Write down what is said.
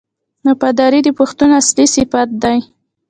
وفاداري د پښتون اصلي صفت دی.